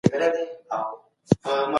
کارګرانو ته د نويو مهارتونو روزنه ورکول کيږي.